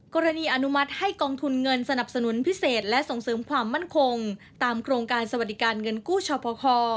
อนุมัติให้กองทุนเงินสนับสนุนพิเศษและส่งเสริมความมั่นคงตามโครงการสวัสดิการเงินกู้ชอปค